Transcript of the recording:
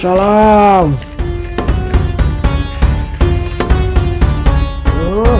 ya sudah deh